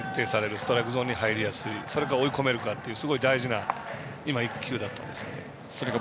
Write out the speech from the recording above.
ストライクゾーンに入りやすいそれか追い込めるかという大事な１球でしたね。